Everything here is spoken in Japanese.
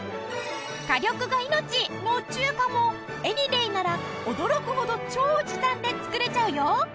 火力が命の中華もエニデイなら驚くほど超時短で作れちゃうよ。